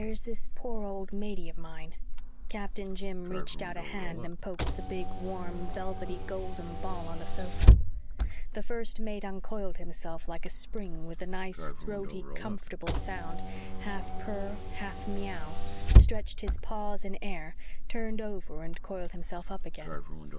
Here's this poor old Matey of mine" Captain Jim reached out a hand and poked the big, warm, velvety, golden ball on the sofa. The First Mate uncoiled himself like a spring with a nice, throaty, comfortable sound, half purr, half meow, stretched his paws in air, turned over and coiled himself up again.